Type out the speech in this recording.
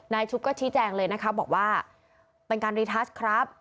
ชุบก็ชี้แจงเลยนะคะบอกว่าเป็นการรีทัสครับ